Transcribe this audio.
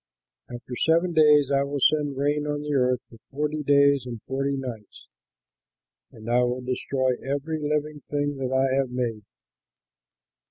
After seven days I will send rain on the earth for forty days and forty nights; and I will destroy every living thing that I have made."